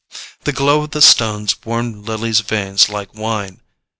The glow of the stones warmed Lily's veins like wine.